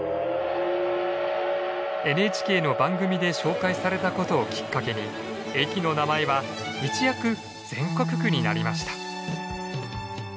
ＮＨＫの番組で紹介されたことをきっかけに駅の名前は一躍全国区になりました。